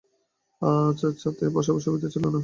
আজ ছাতে বসবার সুবিধা ছিল না।